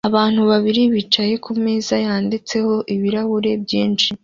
Abantu babiri bicaye kumeza yanditseho ibirahuri byinshi